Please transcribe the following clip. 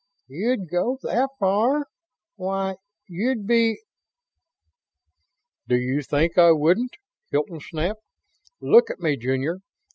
"You'd go that far? Why, you'd be ...""Do you think I wouldn't?" Hilton snapped. "Look at me, Junior!"